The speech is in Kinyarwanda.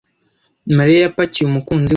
Mariya yapakiye umukunzi we